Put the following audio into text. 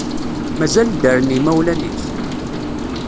Mazal ddren yimawlen-ik?